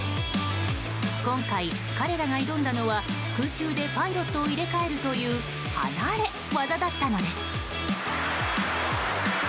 今回、彼らが挑んだのは空中でパイロットを入れ替えるという離れ業だったのです。